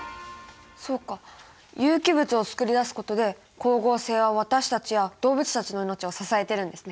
そうか有機物を作り出すことで光合成は私たちや動物たちの命を支えてるんですね。